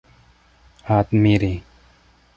admiri